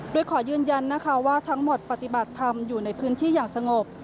โดยขอยืนยันนะคะว่าทั้งหมดปฏิบัติธรรมอยู่ในพื้นที่อย่างสงบ